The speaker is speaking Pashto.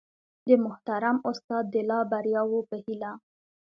د محترم استاد د لا بریاوو په هیله